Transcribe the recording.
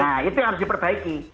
nah itu yang harus diperbaiki